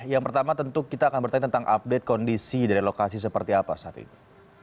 yang pertama tentu kita akan bertanya tentang update kondisi dari lokasi seperti apa saat ini